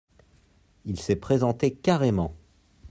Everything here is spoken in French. Il s’est présenté carrément…